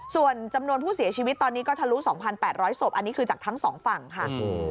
ส่วนจำนวนผู้เสียชีวิตตอนนี้ก็ทะลุ๒๘๐๐ศพอันนี้คือจากทั้งสองฝั่งค่ะ